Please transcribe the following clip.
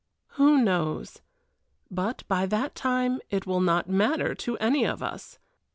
Who knows? But by that time it will not matter to any of us!